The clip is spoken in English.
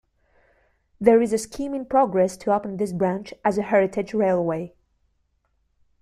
There is a scheme in progress to open this branch as a heritage railway.